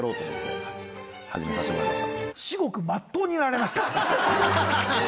始めさせてもらいました。